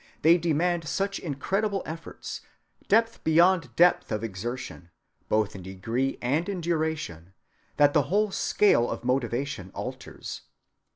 They demand such incredible efforts, depth beyond depth of exertion, both in degree and in duration, that the whole scale of motivation alters.